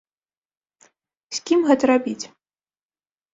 З кім гэта рабіць?